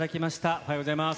おはようございます。